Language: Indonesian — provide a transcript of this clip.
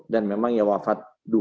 dan memang ya wafat dua